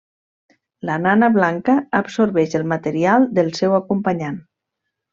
La nana blanca absorbeix el material del seu acompanyant.